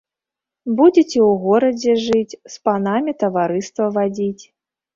Будзеце ў горадзе жыць, з панамі таварыства вадзіць.